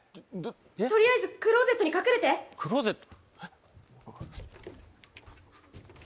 とりあえずクローゼットに隠れてクローゼット